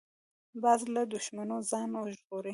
باز له دوښمنو ځان ژغوري